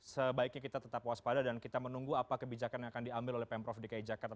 sebaiknya kita tetap waspada dan kita menunggu apa kebijakan yang akan diambil oleh pemprov dki jakarta